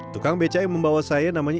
tukang beca yang membawa saya namanya